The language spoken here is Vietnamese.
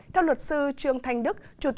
theo luật sư trương thanh đức